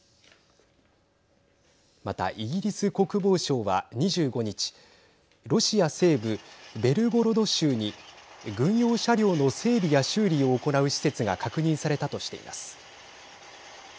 また、イギリス国防省は２５日ロシア西部ベルゴロド州に軍用車両の整備や修理を行う施設が確認されたとしています。